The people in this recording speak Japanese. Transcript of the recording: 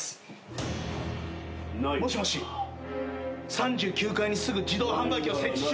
３９階にすぐ自動販売機を設置しろ。